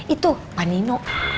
itu pak nino